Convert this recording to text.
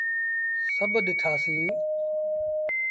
سڀ ڏٺآ سيٚيٚن۔